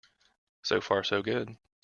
So far so good.